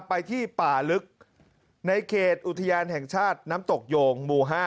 ไปที่ป่าลึกในเขตอุทยานแห่งชาติน้ำตกโยงหมู่๕